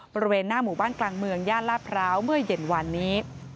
บริเวณหน้าหมู่บ้านกลางเมืองย่านลาดพร้าวเมื่อเย็นวานนี้